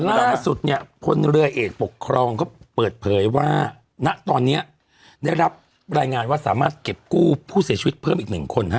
ล่าสุดเนี่ยพลเรือเอกปกครองก็เปิดเผยว่าณตอนนี้ได้รับรายงานว่าสามารถเก็บกู้ผู้เสียชีวิตเพิ่มอีกหนึ่งคนฮะ